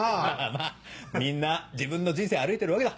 まぁみんな自分の人生歩いてるわけだ。